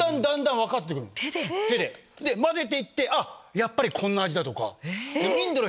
手で⁉混ぜて行ってやっぱりこんな味だ！とか。